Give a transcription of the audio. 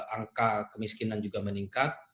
angka kemiskinan juga meningkat